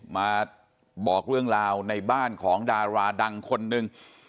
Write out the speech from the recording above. มาบอกเรื่องราวในบ้านของดาราดังคนหนึ่ง